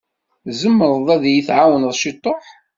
Tzemreḍ ad yi-tεwawneḍ ciṭuḥ?